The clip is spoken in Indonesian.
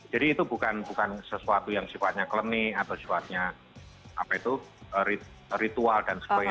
jadi itu bukan sesuatu yang sifatnya keleni atau sifatnya ritual dan sebagainya